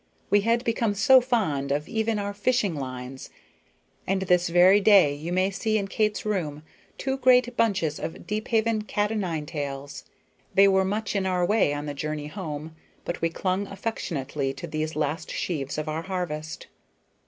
We had become so fond of even our fishing lines; and this very day you may see in Kate's room two great bunches of Deephaven cat o' nine tails. They were much in our way on the journey home, but we clung affectionately to these last sheaves of our harvest.